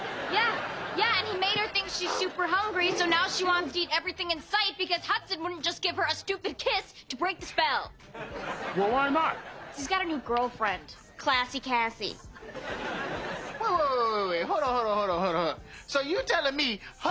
いやいやいやちょっと待った。